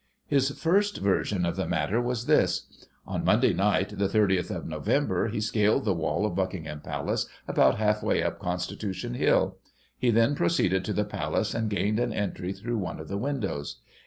His first version of the matter was this : On Monday nighty the 30th of November, he scaled the wall of Buckingham Palace, about half way up Constitution Hill; he then pro ceeded to the Palace, and gained an entry through one of the windows.